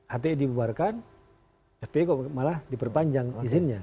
hte dibuarkan spi kok malah diperpanjang izinnya